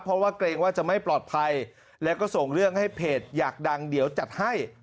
เพราะว่าเกรงว่าจะไม่ปลอดภัยแล้วก็ส่งเรื่องให้เพจอยากดังเดี๋ยวจัดให้